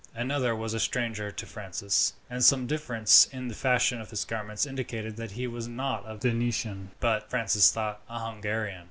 Another was a stranger to Francis, and some difference in the fashion of his garments indicated that he was not a Venetian, but, Francis thought, a Hungarian.